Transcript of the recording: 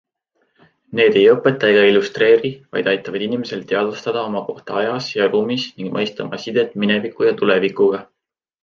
Need ei õpeta ega illustreeri, vaid aitavad inimesel teadvustada oma kohta ajas ja ruumis ning mõista oma sidet mineviku ja tulevikuga.